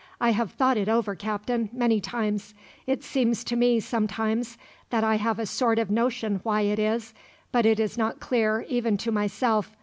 "I have thought it over, Captain, many times. It seems to me, sometimes, that I have a sort of notion why it is; but it is not clear, even to myself.